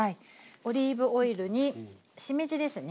オリーブオイルにしめじですね。